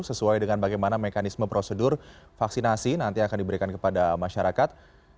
sesuai dengan bagaimana mekanisme prosedur vaksinasi nanti akan diberikan kepada masyarakat